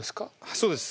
そうです。